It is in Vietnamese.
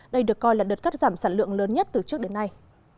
đây được coi là đợt cắt giảm sản lượng lớn nhất từ trước đến nay